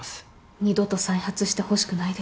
二度と再発してほしくないですね。